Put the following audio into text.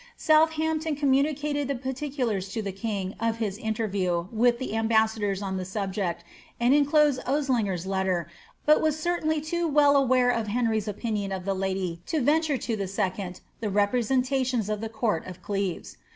^ Southampton communicated the parti culars to the king of his interview with tiie ambassadors on the subject, tod inclosed Osliger's letter, but was certainly too well aware of Henry's opinion of the lady to venture to second the representations of tiie court of Cieves.